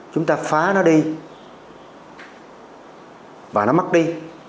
chúng ta phá nó đi và nó mất đi